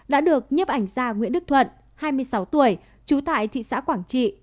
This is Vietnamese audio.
đã được nhếp ảnh ra nguyễn đức thuận hai mươi sáu tuổi chú tại thị xã quảng trị